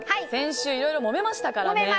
先週いろいろもめましたからね。